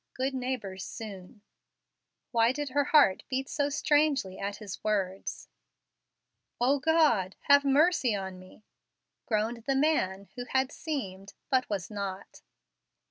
'Good neighbors,' soon." Why did her heart beat so strangely at his words? "O God! have mercy on me!" groaned the man who had seemed, but was not.